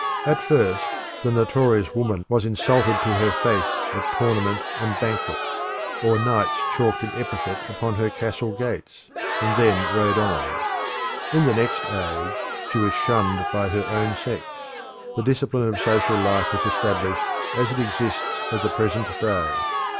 At first the notorious woman was insulted to her face at tournament and banquet; or knights chalked an epithet upon her castle gates, and then rode on. In the next age she was shunned by her own sex: the discipline of social life was established as it exists at the present day.